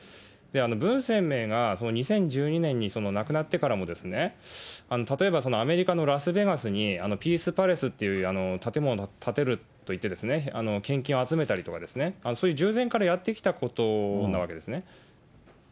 文鮮明が２０１２年に亡くなってからも、例えばアメリカのラスベガスに、ピースパレスという建物を建てるといって献金を集めたりとか、従前からやってきたことなわけですね。